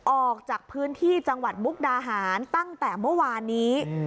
ออกจากพื้นที่จังหวัดมุกดาหารตั้งแต่เมื่อวานนี้